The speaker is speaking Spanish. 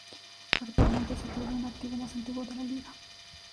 Actualmente es el club en activo más antiguo de la liga.